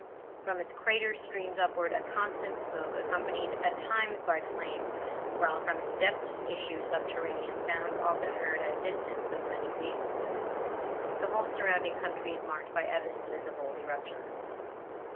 From its crater streams upward a constant smoke, accompanied at times by flame, while from its depths issue subterranean sounds, often heard at a distance of many leagues. The whole surrounding country is marked by evidences of old eruptions.